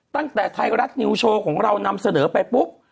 ไทยรัฐนิวโชว์ของเรานำเสนอไปปุ๊บ